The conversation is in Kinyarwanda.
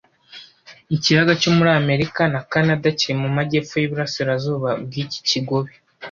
Ikiyaga cyo muri Amerika na Kanada kiri mu majyepfo y'iburasirazuba bw'iki kigobe